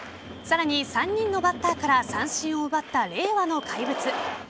さらに３人のバッターから三振を奪った令和の怪物。